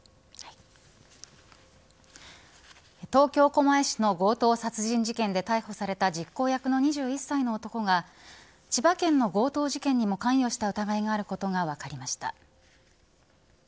東京、狛江市の強盗殺人事件で逮捕された実行役の２１歳の男が千葉県の強盗事件にも関与した疑いがあることが分かりました。